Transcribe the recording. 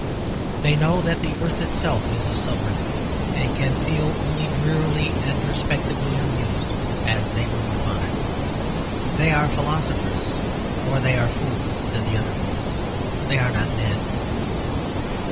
They know that the earth itself is a suburb, and can feel only drearily and respectably amused as they move upon it." "They are philosophers or they are fools," said the other voice. "They are not men.